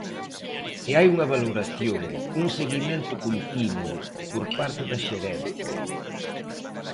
E hai unha valoración, un seguimento continuo, por parte da xerencia.